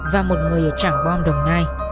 và một người ở trạng bom đồng nai